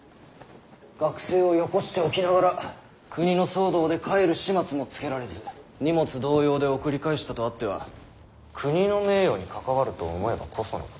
学生をよこしておきながら国の騒動で帰る始末もつけられず荷物同様で送り返したとあっては国の名誉に関わると思えばこそのこと。